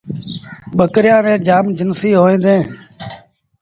ٻڪريآݩ ريٚݩ جآم جنسيٚݩ هوئيݩ ديٚݩ۔